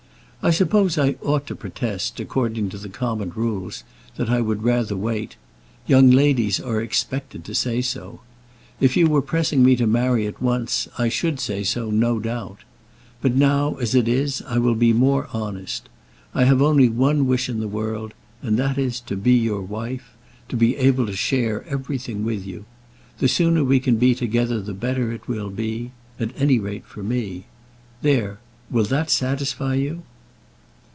"I suppose I ought to protest, according to the common rules, that I would rather wait. Young ladies are expected to say so. If you were pressing me to marry at once, I should say so, no doubt. But now, as it is, I will be more honest. I have only one wish in the world, and that is, to be your wife, to be able to share everything with you. The sooner we can be together the better it will be, at any rate, for me. There; will that satisfy you?"